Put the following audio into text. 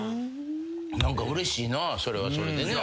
何かうれしいなそれはそれで。